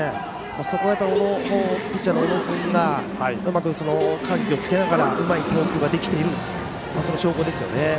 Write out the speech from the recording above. それだけピッチャーの小野君がうまく緩急をつけながらうまい投球ができているその証拠ですよね。